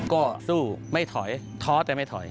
ก็สู้ไม่ถอยท้อแต่ไม่ถอย